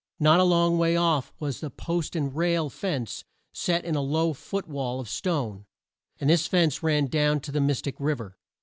Not a long way off was a post and rail fence set in a low foot wall of stone, and this fence ran down to the Mys tic Riv er.